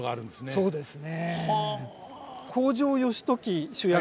そうですね。